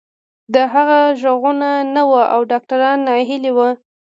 د هغه غوږونه نه وو او ډاکتران ناهيلي وو.